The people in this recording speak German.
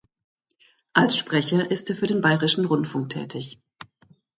Als Sprecher ist er für den Bayerischen Rundfunk tätig.